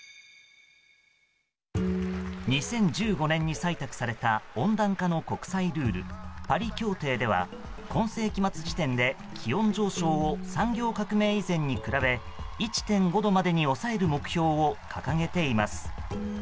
２０１５年に採択された温暖化の国際ルールパリ協定では、今世紀末時点で気温上昇を産業革命以前に比べ１．５度までに抑える目標を掲げています。